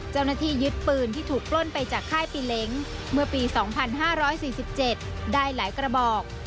เจ้าหน้าที่ยึดปืนที่ถูกปล้นไปจากค่ายปีเล้งเมื่อปี๒๕๔๗ได้หลายกระบอก